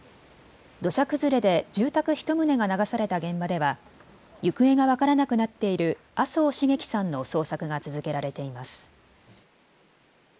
土砂崩れで住宅１棟が流された現場では行方が分からなくなっている麻生繁喜さんの捜索が続けられています。